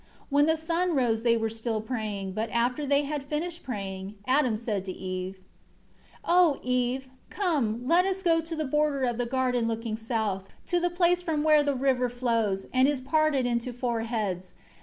4 When the sun rose they were still praying, but after they had finished praying, Adam said to Eve: 5 "O Eve, come, let us go to the border of the garden looking south; to the place from where the river flows, and is parted into four heads.